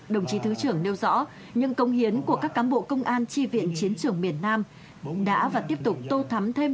đồng chí thứ trưởng nêu rõ những công hiến của các cám bộ công an tri viện chiến trường miền nam đã và tiếp tục tô thắm thêm